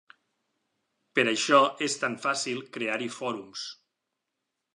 Per això és tan fàcil crear-hi fòrums.